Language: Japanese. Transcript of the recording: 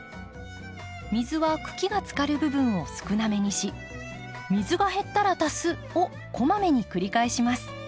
水は茎がつかる部分を少なめにし水が減ったら足すをこまめに繰り返します。